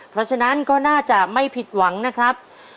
เพราะฉะนั้นก็น่าจะไม่ผิดหวังนะครับ